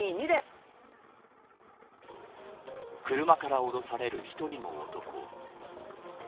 車から降ろされる１人の男。